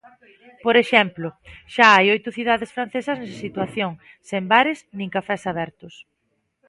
Por exemplo, xa hai oito cidades francesas nesa situación, sen bares nin cafés abertos.